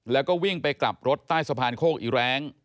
แล้วก็วิ่งไปกลับรถใต้สะพานโคกอีแรง